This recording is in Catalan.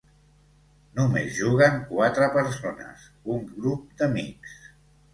Només juguen quatre persones, un grup d'amics.